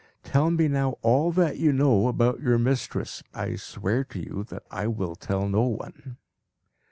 Tell me now all that you know about your mistress. I swear to you that I will tell no one."